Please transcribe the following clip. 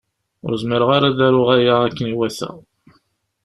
Ur zmireɣ ara ad aruɣ aya akken iwata.